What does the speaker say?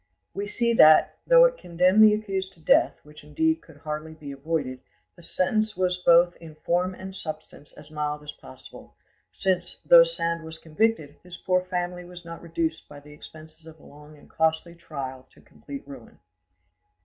We see that, though it condemned the accused to death, which indeed could hardly be avoided, the sentence was both in form and substance as mild as possible, since, though Sand was convicted, his poor family was not reduced by the expenses of a long and costly trial to complete ruin.